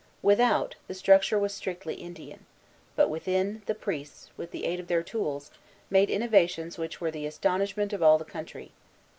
Without, the structure was strictly Indian; but within, the priests, with the aid of their tools, made innovations which were the astonishment of all the country.